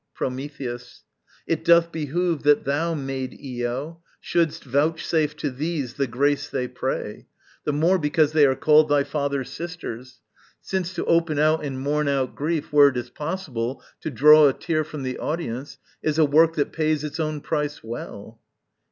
Prometheus. It doth behove That thou, Maid Io, shouldst vouchsafe to these The grace they pray, the more, because they are called Thy father's sisters: since to open out And mourn out grief where it is possible To draw a tear from the audience, is a work That pays its own price well.